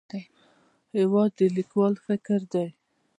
هېواد د لیکوال فکر دی.